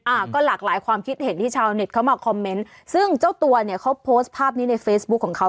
อ่าก็หลากหลายความคิดเห็นที่ชาวเน็ตเข้ามาคอมเมนต์ซึ่งเจ้าตัวเนี่ยเขาโพสต์ภาพนี้ในเฟซบุ๊คของเขา